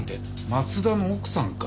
松田の奥さんか？